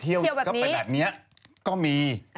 เที่ยวแบบนี้